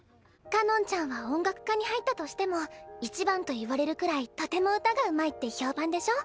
かのんちゃんは音楽科に入ったとしても一番と言われるくらいとても歌がうまいって評判でしょ？